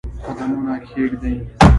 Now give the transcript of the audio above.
قدمونه کښېږدي